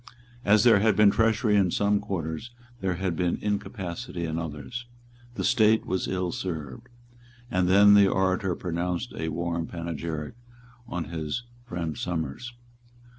As there had been treachery in some quarters, there had been incapacity in others. The State was ill served. And then the orator pronounced a warm panegyric on his friend Somers.